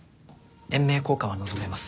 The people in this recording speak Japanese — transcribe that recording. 延命効果は望めます。